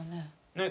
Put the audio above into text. ねっ。